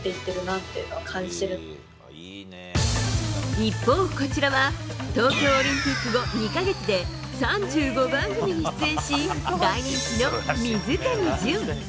一方、こちらは東京オリンピック後、２か月で３５番組に出演し大人気の水谷隼。